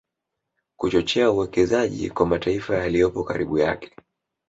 Kuchochea uwekezaji kwa mataifa yaliyopo karibu yake